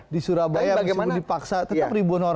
di surabaya yang dipaksa tetap ribuan orang hadir